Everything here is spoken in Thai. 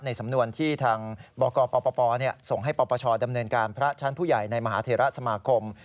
สำนวนที่ทางบกปปส่งให้ปปชดำเนินการพระชั้นผู้ใหญ่ในมหาเทระสมาคม